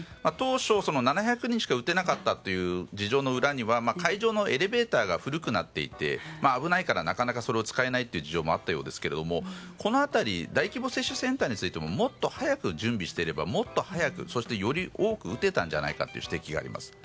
当初７００人しか打てなかったという事情の裏には会場のエレベーターが古くなっていて危ないから使えないという事情もあったようですがこの辺り大規模接種センターについてももっと早く準備していればもっと早くそしてより多く打てたんじゃないかという指摘があります。